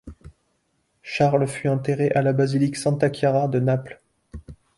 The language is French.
Charles fut enterré à la Basilique Santa Chiara de Naples.